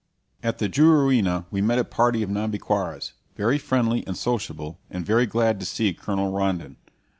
At the Juruena we met a party of Nhambiquaras, very friendly and sociable, and very glad to see Colonel Rondon.